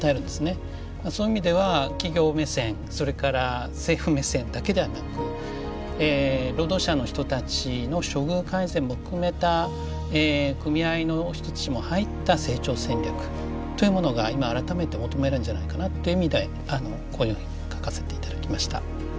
そういう意味では企業目線それから政府目線だけではなく労働者の人たちの処遇改善も含めた組合の人たちも入った成長戦略というものが今改めて求められるんじゃないかなという意味でこのように書かせていただきました。